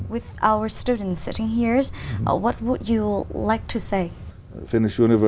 về văn hóa hà nội không